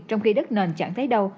trong khi đất nền chẳng thấy đâu